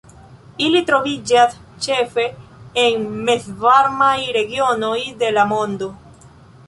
Ili troviĝas ĉefe en mezvarmaj regionoj de la mondo.